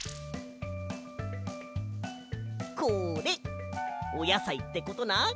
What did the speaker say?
これおやさいってことな。